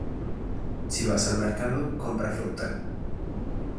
Si vas al mercado, compra fruta.